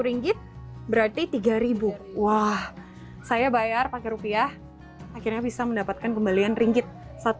rp satu berarti rp tiga wah saya bayar pakai rupiah akhirnya bisa mendapatkan kembalian ringgitnya